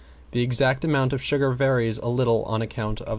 The exact amount of sugar varies a little on account of size of eggs.